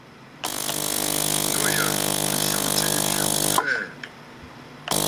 Nû yà ɨ swu jiʼì swù fɛɛ̀.